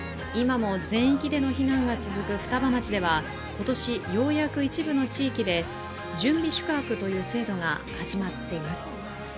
今も全域での避難が続く双葉町では今年、ようやく一部の地域で準備宿泊という制度が始まっています。